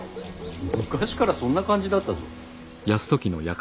昔からそんな感じだったぞ。